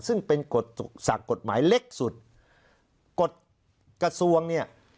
ซึ่งเป็นกฎศักดิ์กฎหมายเล็กสุดกฎกระทรวงเนี่ย